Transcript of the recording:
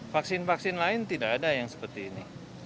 vaksin vaksin lain tidak ada yang seperti ini